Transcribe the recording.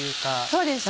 そうですね。